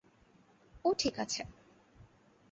ও ঠিক আছে।